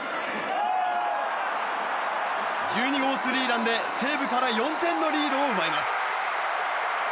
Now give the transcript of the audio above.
１２号スリーランで西武から４点のリードを奪います。